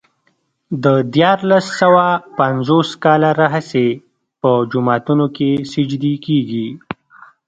د دیارلس سوه پنځوس کاله راهيسې په جوماتونو کې سجدې کېږي.